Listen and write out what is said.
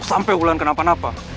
social media orang di seluruh dunia